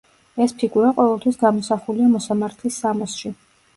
ეს ფიგურა ყოველთვის გამოსახულია მოსამართლის სამოსში.